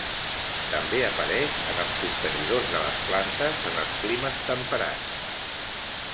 També apareix en els contenidors de les plantes en els climes temperats.